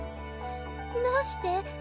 どうして？